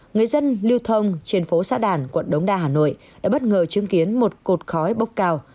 người dân lưu thông trên phố xã đàn quận đống đa hà nội đã bất ngờ chứng kiến một cột khói bốc cao